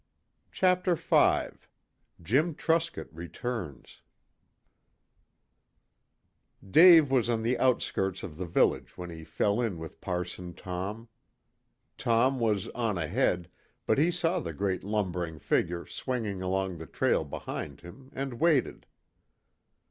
CHAPTER V JIM TRUSCOTT RETURNS Dave was on the outskirts of the village when he fell in with Parson Tom. Tom was on ahead, but he saw the great lumbering figure swinging along the trail behind him, and waited.